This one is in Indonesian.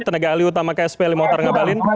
tenaga ahli utama ksp limau tarangabalin